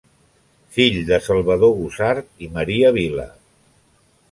Fill de Salvador Gusart i Maria Vila.